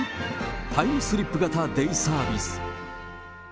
タイムスリップ型デイサービス！